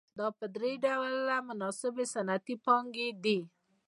دا په درې ډوله مناسبې صنعتي پانګې دي